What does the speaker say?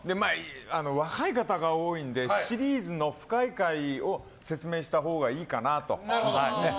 若い方が多いのでシリーズの深い回を説明したほうがいいかなと。